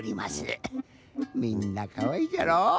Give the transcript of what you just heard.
みんなかわいいじゃろ。